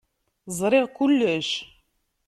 Ẓṛiɣ kullec.